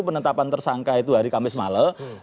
penetapan tersangka itu hari kamis malam